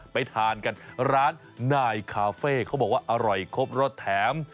ไปทานกันร้านนายคาเฟ่เขาบอกว่าอร่อยครบรสแถม